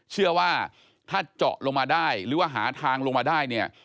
เชื่อว่าถ้าเจาะลงมาได้หรือว่าหาทางลงมาได้เนี่ย